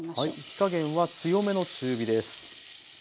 火加減は強めの中火です。